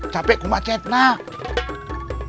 capek aku macet nak